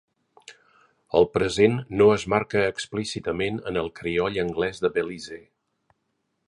El present no es marca explícitament en el crioll anglès de Belize.